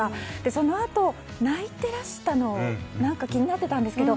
そのあと、泣いてらしたのが気になってたんですけど